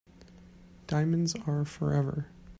Diamonds are forever.